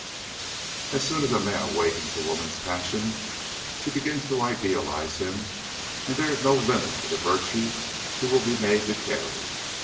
As soon as a man awakens a woman's passions she begins to idealize him and there is no limit to the virtues he will be made to carry.